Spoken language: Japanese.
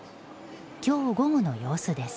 今日午後の様子です。